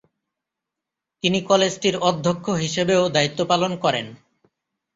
তিনি কলেজটির অধ্যক্ষ হিসেবেও দায়িত্ব পালন করেন।